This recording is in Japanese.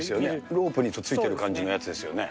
ロープについてる感じのやつですよね。